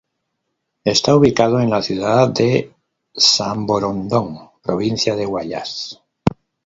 Está ubicado en la ciudad de Samborondón, provincia de Guayas.